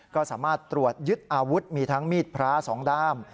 ก็สามารถตรวจยึดอาวุธมีทั้งมีดพระ๒ด้าม